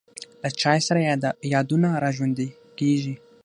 له چای سره یادونه را ژوندی کېږي.